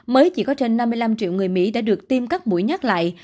mới chỉ có trên năm mươi năm triệu người mỹ đã được tiêm các mũi nhắc lại